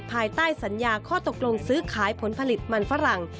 ภายใต้สัญญาข้อตกลงซื้อขายผลผลิตมันฝรั่ง